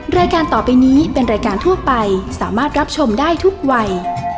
รายการต่อไปนี้เป็นรายการทั่วไปสามารถรับชมได้ทุกวัย